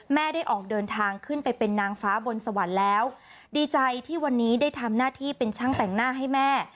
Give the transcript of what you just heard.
ได้ออกเดินทางขึ้นไปเป็นนางฟ้าบนสวรรค์แล้วดีใจที่วันนี้ได้ทำหน้าที่เป็นช่างแต่งหน้าให้แม่